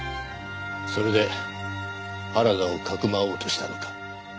それで原田をかくまおうとしたのか？